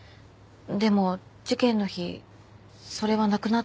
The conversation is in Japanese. でも事件の日それはなくなっていたそうで。